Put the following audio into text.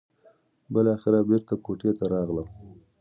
بالاخره بېرته کوټې ته راغلم.